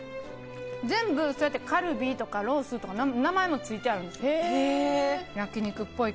全部カルビとかロースとか名前もついてあるんです味